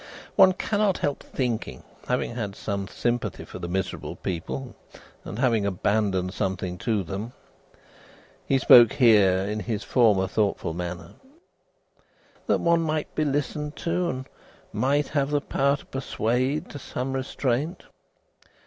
One cannot help thinking, having had some sympathy for the miserable people, and having abandoned something to them," he spoke here in his former thoughtful manner, "that one might be listened to, and might have the power to persuade to some restraint.